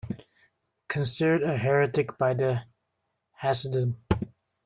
Considered a heretic by the Hasidim.